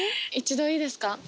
一度いいですか？